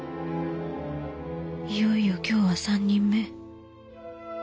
いよいよ今日は３人目。